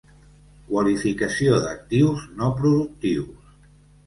Qualificació d'actius no productius.